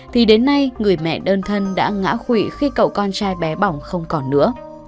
thì đến nay người mẹ đơn thân đã ngã khụy khi cậu con trai bé bỏng không còn nữa